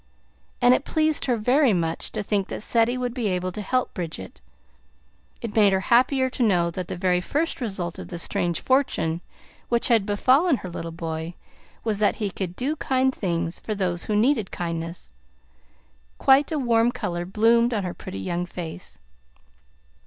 And it pleased her very much to think that Ceddie would be able to help Bridget. It made her happier to know that the very first result of the strange fortune which had befallen her little boy was that he could do kind things for those who needed kindness. Quite a warm color bloomed on her pretty young face.